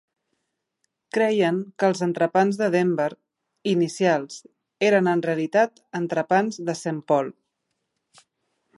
Creien que els entrepans de Denver inicials eren en realitat entrepans de Saint Paul.